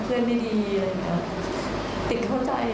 แต่ทไรก็มานั่งเตรียมตัวตอบคำถาม